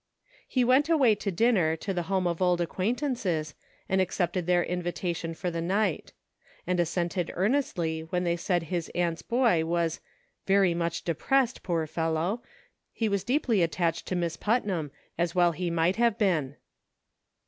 He went away to dinner to the home of old acquaintances, and accepted their invitation for the night ; and assented earnestly when they said his aunt's boy was "very much depressed, poor fellow ! he was deeply attached to Miss Putnam, as well he might have been."